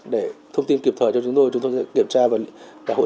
để thông tin kịp thời cho chúng tôi chúng tôi sẽ kiểm tra và hỗ trợ khách hàng